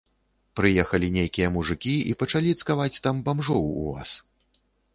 Прыехалі нейкія мужыкі і пачалі цкаваць там бамжоў у вас.